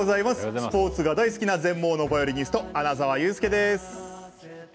スポーツが大好きな全盲のバイオリニスト穴澤雄介です。